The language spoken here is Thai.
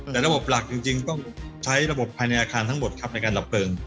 แต่ระบบหลักจริงต้องใช้ระบบภายในอาคารทั้งหมดครับในการดับเพลิง